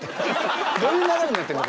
どういう流れになってんの？